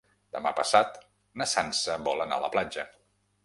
Demà passat na Sança vol anar a la platja.